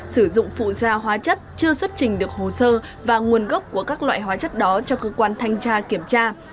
sử dụng phụ da hóa chất chưa xuất trình được hồ sơ và nguồn gốc của các loại hóa chất đó cho cơ quan thanh tra kiểm tra